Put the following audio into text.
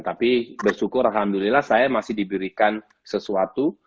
tapi bersyukur alhamdulillah saya masih diberikan sesuatu